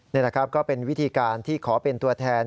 นี่แหละครับก็เป็นวิธีการที่ขอเป็นตัวแทน